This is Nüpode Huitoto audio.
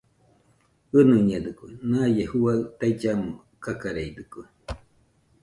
ɨnɨñedɨkue, naie juaɨ taillamo kakareidɨkue